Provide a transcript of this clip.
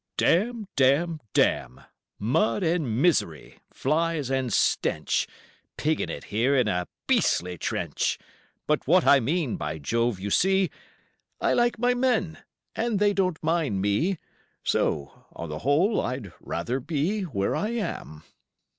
"Dam! Dam! Dam! Mud and misery, flies and stench, Piggin' it here in a beastly trench, But what I mean, by Jove, you see, I like my men and they don't mind me, So, on the whole, I'd rather be Where I am."